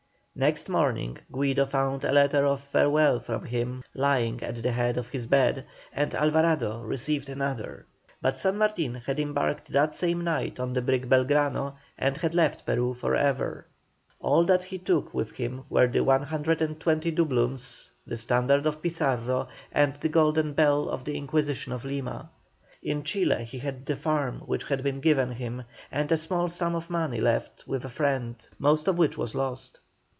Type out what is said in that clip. Next morning Guido found a letter of farewell from him lying at the head of his bed, and Alvarado received another, but San Martin had embarked that same night on the brig Belgrano, and had left Peru for ever. All that he took with him were 120 doubloons, the standard of Pizarro, and the golden bell of the Inquisition of Lima. In Chile he had the farm which had been given him, and a small sum of money left with a friend, most of which was lost.